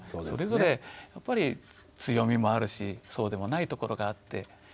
それぞれやっぱり強みもあるしそうでもないところがあって。